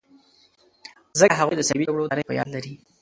ځکه هغوی د صلیبي جګړو تاریخ په یاد لري.